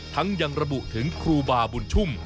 ยังระบุถึงครูบาบุญชุ่ม